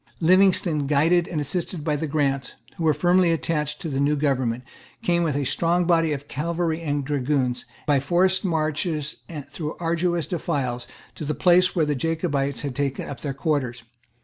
Livingstone, guided and assisted by the Grants, who were firmly attached to the new government, came, with a strong body of cavalry and dragoons, by forced marches and through arduous defiles, to the place where the Jacobites had taken up their quarters.